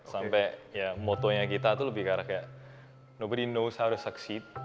sampai ya motonya kita tuh lebih ke arah kayak nobody knows how to succeed